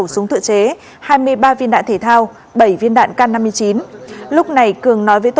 xử lý theo pháp luật